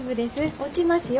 落ちますよ。